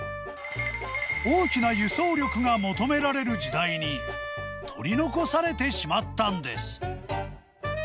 大きな輸送力が求められる時代に、取り残されてしまったんです。